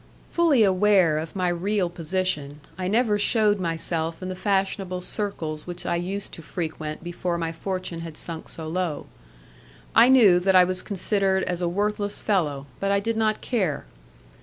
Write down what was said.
Fully aware of my real position, I never shewed myself in the fashionable circles which I used to frequent before my fortune had sunk so low. I knew that I was considered as a worthless fellow, but I did not care.